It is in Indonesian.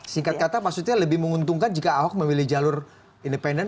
singkat kata maksudnya lebih menguntungkan jika ahok memilih jalur independen